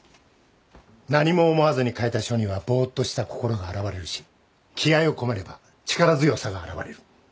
何も思わずに書いた書にはぼーっとした心が表れるし気合を込めれば力強さが表れる。